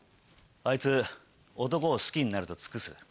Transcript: あいつ男を好きになると尽くす。